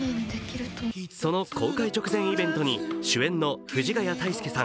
その公開直前イベントに主演の藤ヶ谷太輔さん